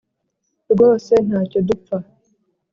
rwose ntacyo dupfa